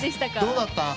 どうだった？